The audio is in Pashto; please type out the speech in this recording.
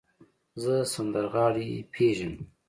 زه سندرغاړی پیژنم.